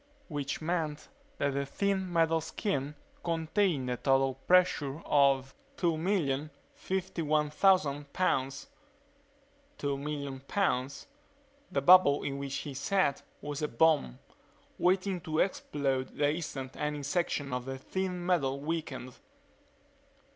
Which meant that the thin metal skin contained a total pressure of 2,051,000 pounds. Two million pounds. The bubble in which he sat was a bomb, waiting to explode the instant any section of the thin metal weakened.